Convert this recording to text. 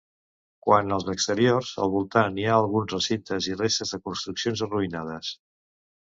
Quant als exteriors, al voltant hi ha alguns recintes i restes de construccions arruïnades.